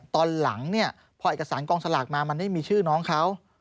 ตอนหลังเนี่ยพอเอกสารกองสลากมามันไม่มีชื่อน้องเขา